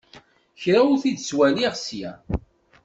Kra ur t-id-ttwaliɣ ssya.